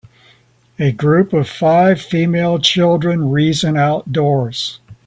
A group of five female children reason outdoors.